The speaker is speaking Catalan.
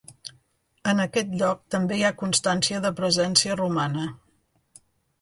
En aquest lloc també hi ha constància de presència romana.